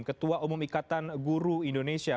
ketua umum ikatan guru indonesia